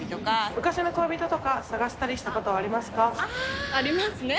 昔の恋人とか探したりしたこありますね。